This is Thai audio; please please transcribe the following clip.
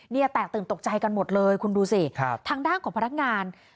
เนี่ยแตกตื่นตกใจกันหมดเลยคุณดูสิทางด้านของพนักงาน